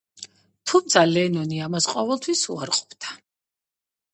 თუმცა, ლენონი ამას ყოველთვის უარყოფდა.